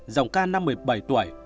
dòng ca năm một mươi bảy tuổi